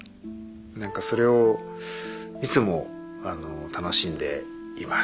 なんかそれをいつも楽しんでいます。